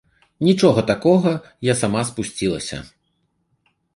Нічога такога, я сама спусцілася.